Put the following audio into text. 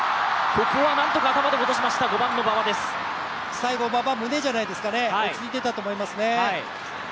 最後、馬場、胸じゃないですかね、落ち着いていましたね。